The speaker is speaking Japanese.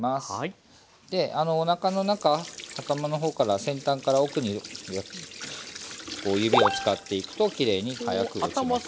でおなかの中頭の方から先端から奥にこう指を使っていくときれいに早く落ちます。